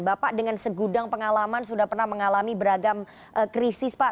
bapak dengan segudang pengalaman sudah pernah mengalami beragam krisis pak